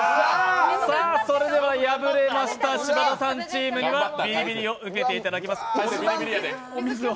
それでは敗れました柴田さんチームにはビリビリを受けていただきます。